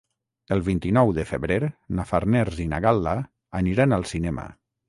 El vint-i-nou de febrer na Farners i na Gal·la aniran al cinema.